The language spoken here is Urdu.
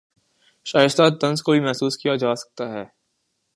شائستہ طنز کو بھی محسوس کیا جاسکتا ہے